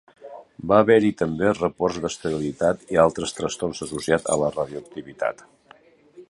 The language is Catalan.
Va haver-hi també reports d'esterilitat i altres trastorns associats a la radioactivitat.